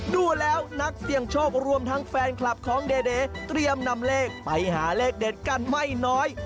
ดูแล้วนักเสี่ยงโชครวมทั้งแฟนคลับของเดเตรียมนำเลขไปหาเลขเด็ดกันไม่น้อย